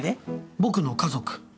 『僕の家族』